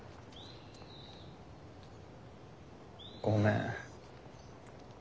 ごめん。